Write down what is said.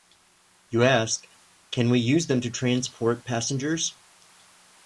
You ask: Can we use them to transport passengers?